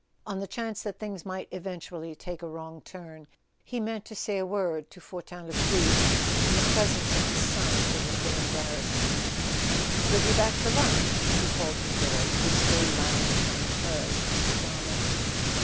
On the chance that things might eventually take a wrong turn he meant to say a word to Fortin Lescluze; and the presence of his son would have been embarrassing. "You'll be back for lunch?" he called to George, who still lounged on the terrace in pyjamas.